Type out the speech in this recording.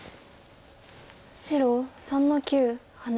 白３の九ハネ。